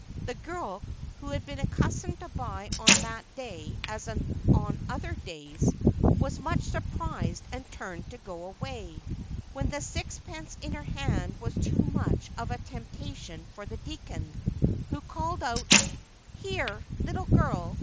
The girl, who had been accustomed to buy on that day as on other days, was much surprised and turned to go away, when the sixpence in her hand was too much of a temptation for the deacon, who called out: "Here, little girl!